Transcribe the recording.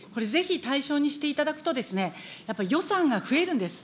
これ、ぜひ対象にしていただくと、やっぱり予算が増えるんです。